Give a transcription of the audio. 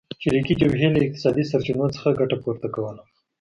چریکي جبهې له اقتصادي سرچینو څخه ګټه پورته کوله.